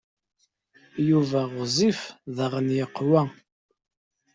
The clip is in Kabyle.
Yuba ɣezzif daɣen yeqwa.